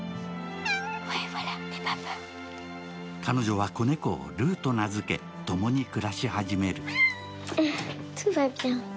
彼女は子猫をルーと名付け、共に暮らし始める。